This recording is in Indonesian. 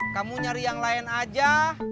kamu nyari yang lain aja